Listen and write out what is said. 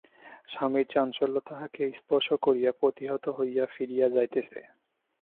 স্বামীর চাঞ্চল্য তাহাকে স্পর্শ করিয়া প্রতিহত হইয়া ফিরিয়া যাইতেছে।